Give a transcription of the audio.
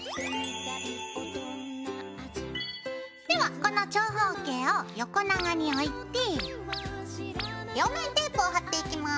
この長方形を横長に置いて両面テープを貼っていきます。